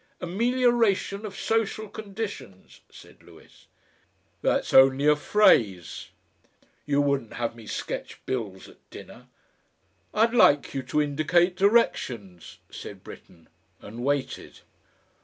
"Amelioration of Social Conditions," said Lewis. "That's only a phrase!" "You wouldn't have me sketch bills at dinner?" "I'd like you to indicate directions," said Britten, and waited.